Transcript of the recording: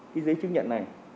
cái giấy chứng nhận này